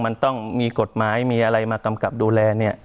มันต้องมีกฎหมายมีอะไรมากำกับดูแลเนี่ย